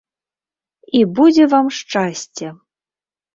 І будзе вам шчасце!